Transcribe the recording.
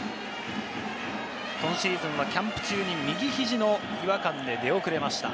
今シーズンはキャンプ中に右肘の違和感で出遅れました。